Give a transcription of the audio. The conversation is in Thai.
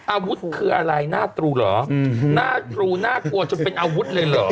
อาวุธคืออะไรน่าตรูหรอน่ากลัวจนเป็นอาวุธเลยเหรอ